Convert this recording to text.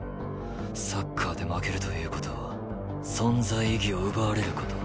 サッカーで負けるという事は存在意義を奪われる事。